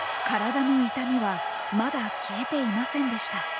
体の痛みはまだ消えていませんでした。